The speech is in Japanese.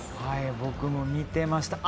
僕も見ていました。